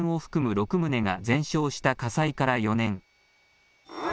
６棟が全焼した火災から４年。